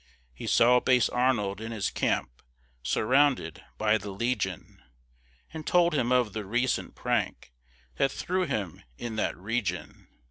He saw base Arnold in his camp, Surrounded by the legion, And told him of the recent prank That threw him in that region.